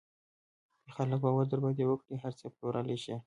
که خلک باور در باندې وکړي، هر څه پلورلی شې.